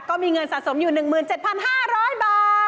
ก็มีเงินสะสมอยู่๑๗๕๐๐บาท